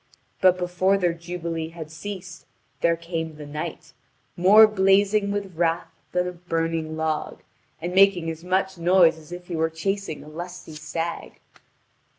But before their jubilee had ceased there came the knight, more blazing with wrath than a burning log, and making as much noise as if he were chasing a lusty stag.